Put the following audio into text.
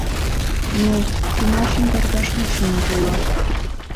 Но, тунаржым тергаш мый шоҥго улам.